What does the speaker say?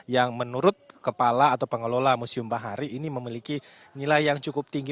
yang menurut kepala atau pengelola museum bahari ini memiliki nilai yang cukup tinggi